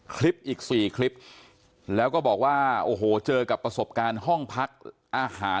คลิปอีก๔คลิปแล้วก็บอกว่าโอ้โหเจอกับประสบการณ์ห้องพักอาหาร